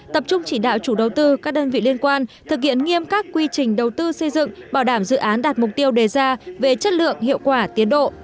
tập trung chỉ đạo chủ đầu tư các đơn vị liên quan thực hiện nghiêm các quy trình đầu tư xây dựng bảo đảm dự án đạt mục tiêu đề ra về chất lượng hiệu quả tiến độ